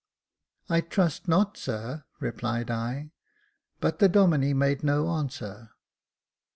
" I trust not, sir," replied I ; but the Domine made no answer.